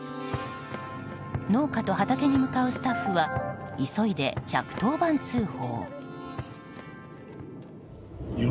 農家と畑に向かうスタッフは急いで１１０番通報。